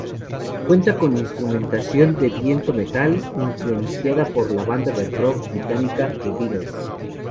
Cuenta con instrumentación de viento-metal, influenciada por la banda de "rock" británica The Beatles.